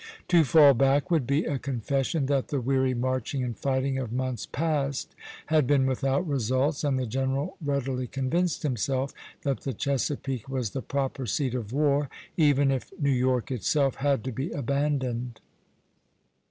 To fall back would be a confession that the weary marching and fighting of months past had been without results, and the general readily convinced himself that the Chesapeake was the proper seat of war, even if New York itself had to be abandoned.